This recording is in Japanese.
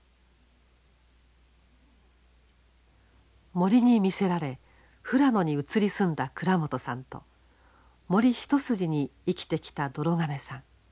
森に魅せられ富良野に移り住んだ倉本さんと森一筋に生きてきたどろ亀さん。